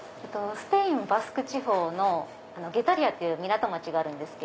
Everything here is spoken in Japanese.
スペイン・バスク地方のゲタリアという港町があるんです。